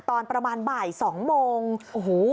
ตอนประมาณบ่ายสองโมงโอ้โห